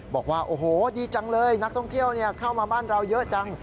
บอกว่าโอ้โหดีจังเลยนักท่องเที่ยวเข้ามาบ้านเราเยอะจัง